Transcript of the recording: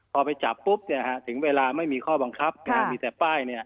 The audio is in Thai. พอไปจับปุ๊บถึงเวลาไม่มีข้อบังคับมีแต่ป้าย